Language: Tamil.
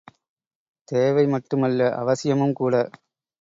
தேவை மட்டும் அல்ல, அவசியமும் கூட!